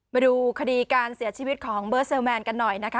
มาดูคดีการเสียชีวิตของเบิร์ดเซลแมนกันหน่อยนะคะ